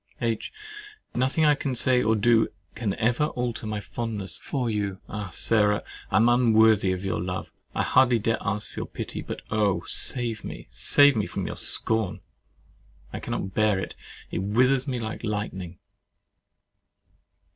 H. Nothing I can say or do can ever alter my fondness for you—Ah, Sarah! I am unworthy of your love: I hardly dare ask for your pity; but oh! save me—save me from your scorn: I cannot bear it—it withers me like lightning.